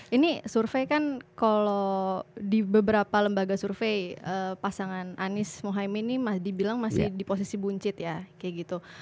ini survei kan kalau di beberapa lembaga survei pasangan anies mohaimin ini dibilang masih di posisi buncit ya kayak gitu